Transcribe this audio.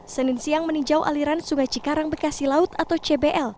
senin siang meninjau aliran sungai cikarang bekasi laut atau cbl